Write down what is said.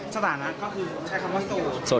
สถานะก็คือใช้คำว่าโสด